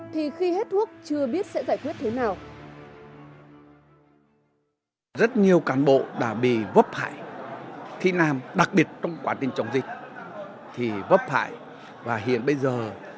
thì khi hết thuốc chưa biết sẽ giải quyết thế nào